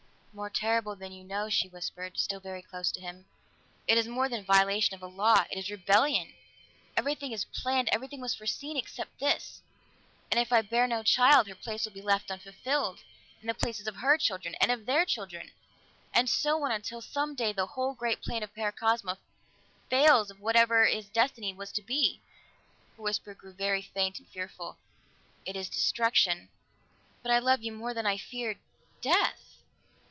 "More terrible than you know," she whispered, still very close to him. "It is more than violation of a law; it is rebellion! Everything is planned, everything was foreseen, except this; and if I bear no child, her place will be left unfilled, and the places of her children, and of their children, and so on until some day the whole great plan of Paracosma fails of whatever its destiny was to be." Her whisper grew very faint and fearful. "It is destruction, but I love you more than I fear death!"